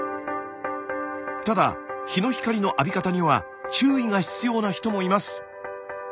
ただ日の光の浴び方には注意が必要な人もいます。